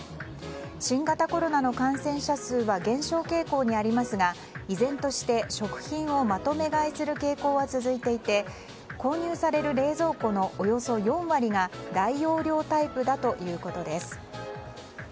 新型コロナの感染者数は減少傾向にありますが依然として食品をまとめ買いする傾向は続いていて購入される冷蔵庫のおよそ４割が大容量タイプだということです。